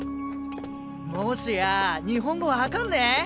もしや日本語分かんねぇ？